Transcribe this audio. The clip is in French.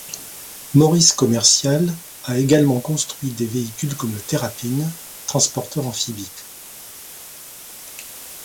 Morris Commercial a également construit des véhicules comme le Terrapin, transporteur amphibie.